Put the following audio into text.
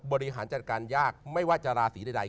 บริหารจัดการยากไม่ว่าจะราศีใด